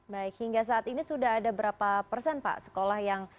baik hingga saat ini sudah ada berapa persen pak sekolah yang